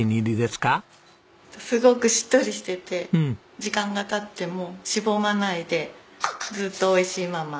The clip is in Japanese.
すごくしっとりしてて時間が経ってもしぼまないでずっと美味しいまま。